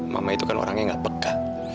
mama itu kan orang yang gak peka